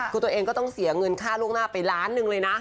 คือตัวเองก็ต้องเสียเงินค่าล่วงหน้าไปล้านหนึ่งเลยนะ